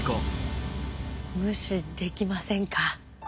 ムシできませんか。